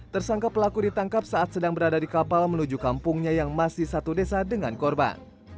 tersangka pelaku ditangkap saat sedang berada di kapal menuju kampungnya yang masih satu desa dengan korban